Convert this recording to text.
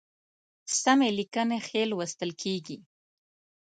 سمي لیکنی ښی لوستل کیږي